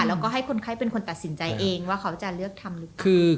แล้วก็ให้คนไข้เป็นคนตัดสินใจเองว่าเขาจะเลือกทำหรือเปล่า